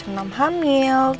terus beliin aku bunga